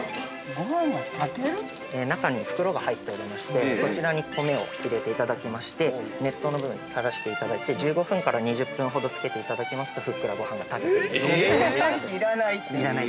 ◆ごはんが炊ける？◆中に袋が入っておりましてそちらに米を入れていただきましてネットの部分さらしていただいて１５分２０分ほどつけていただきますとふっくらごはんが炊けると◆炊飯器、要らない？